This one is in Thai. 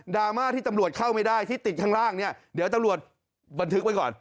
ราม่าที่ตำรวจเข้าไม่ได้ที่ติดข้างล่างเนี่ยเดี๋ยวตำรวจบันทึกไว้ก่อน